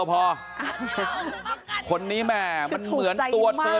ดูท่าทางฝ่ายภรรยาหลวงประธานบริษัทจะมีความสุขที่สุดเลยนะเนี่ย